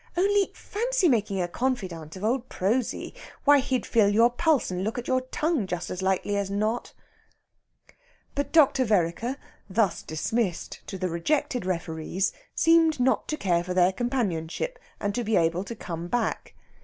"Only, fancy making a confidant of old Prosy! Why, he'd feel your pulse and look at your tongue, just as likely as not." But Dr. Vereker, thus dismissed to the rejected referees, seemed not to care for their companionship, and to be able to come back.